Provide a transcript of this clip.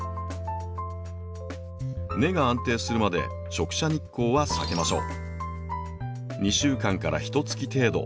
根が安定するまで直射日光は避けましょう。